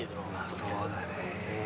そうだね